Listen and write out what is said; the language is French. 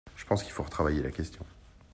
Je pense qu’il faut retravailler la question.